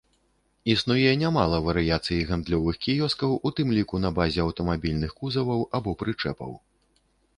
Існуе нямала варыяцый гандлёвых кіёскаў, у тым ліку на базе аўтамабільных кузаваў або прычэпаў.